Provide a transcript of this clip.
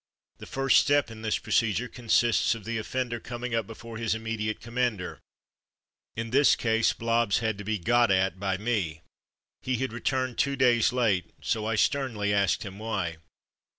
The first step in this procedure consists of the offender coming up before his immediate commander. In this case Blobbs had to be "got at'' by me. He had returned two days late, so I sternly asked him why.